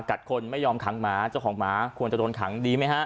กัดคนไม่ยอมขังหมาเจ้าของหมาควรจะโดนขังดีไหมฮะ